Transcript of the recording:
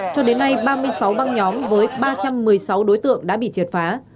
cho đến nay ba mươi sáu băng nhóm với ba trăm một mươi sáu đối tượng đã bị triệt phá